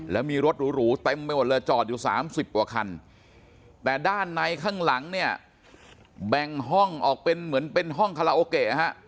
แล้วมีรถหรูเต็มไปหมดเลยจอดอยู่๓๐กว่าคันแต่ด้านในข้างหลังเนี่ยแบ่งห้องออกเป็นเหมือนเป็นห้องคาราโอเกะฮะ